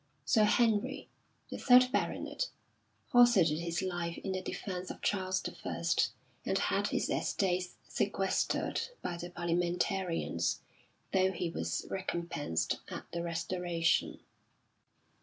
Sir Henry, the third baronet, hazarded his life in the defence of Charles I and had his estates sequestered by the Parliamentarians though he was recompensed at the Restoration.